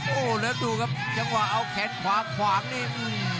โอ้โหแล้วดูครับจังหวะเอาแขนขวาขวางนี่